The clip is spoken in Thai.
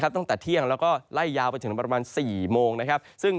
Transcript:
ตั้งแต่เที่ยงแล้วมีไล่ยาวประมาณ๔โมง